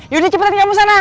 yaudah cepetan kamu sana